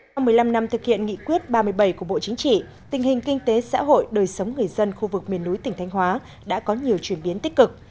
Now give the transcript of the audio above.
sau một mươi năm năm thực hiện nghị quyết ba mươi bảy của bộ chính trị tình hình kinh tế xã hội đời sống người dân khu vực miền núi tỉnh thanh hóa đã có nhiều chuyển biến tích cực